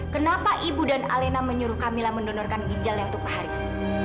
kenapa ibu dan alena menyuruh camilla mendonorkan ginjalnya untuk ke haris